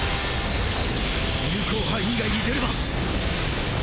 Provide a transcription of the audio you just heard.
有効範囲外に出れば！